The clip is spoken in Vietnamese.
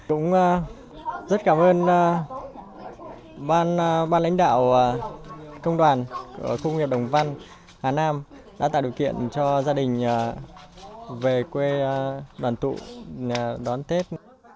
cũng rất cảm ơn ban lãnh đạo công đoàn khu công nghiệp đồng văn hà nam đã tạo điều kiện cho gia đình về quê đoàn tụ đón tết